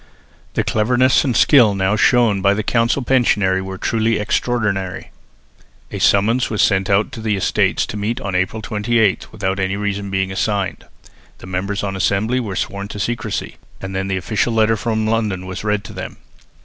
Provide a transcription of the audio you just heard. The cleverness and skill now shown by the council pensionary were truly extraordinary. A summons was sent out to the Estates to meet on April 28 without any reason being assigned. The members on assembly were sworn to secrecy, and then the official letter from London was read to them.